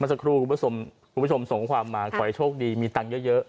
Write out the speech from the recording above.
สักครู่คุณผู้ชมส่งความมาขอให้โชคดีมีตังค์เยอะ